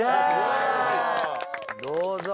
どうぞ。